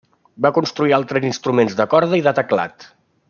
Va construir altres instruments de corda i de teclat.